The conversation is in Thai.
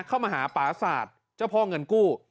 เข้ามาหาป่าศาสตร์เจ้าพ่อเงินกู้